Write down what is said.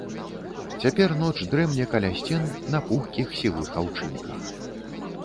Цяпер ноч дрэмле каля сцен на пухкіх сівых аўчынках.